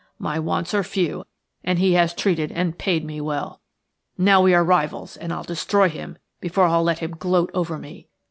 My wants are few, and he has treated and paid me well. Now we are rivals, and I'll destroy him before I'll let him gloat over me.